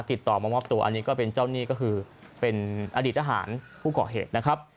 ติดต่อมามอบตัวอันนี้ก็เป็นเจ้าหนี้ก็คือเป็นอดีตทหารผู้ก่อเหตุนะครับ